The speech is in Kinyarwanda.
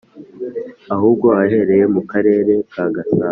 ahubwo ahererey mu karereka ka gasabo